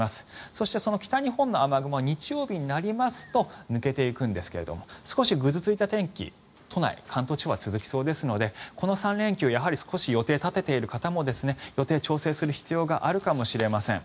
そして、その北日本の雨雲は日曜日になりますと抜けていくんですが少しぐずついた天気都内、関東地方は続きそうですのでこの３連休予定を立てている方も予定、調整する必要があるかもしれません。